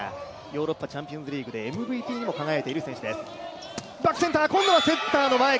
ヨーロッパチャンピオンズリーグでＭＶＰにも輝いている選手です。